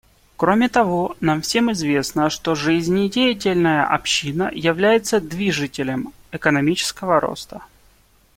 Кроме того, нам всем известно, что жизнедеятельная община является движителем экономического роста.